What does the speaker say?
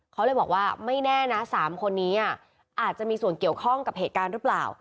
เขาเลยบอกว่าไม่แน่นะ๓คนนี้อาจจะมีส่วนเกี่ยวข้องกับเหตุการณ์หรือเปล่า